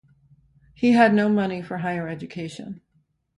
He had no money for higher education.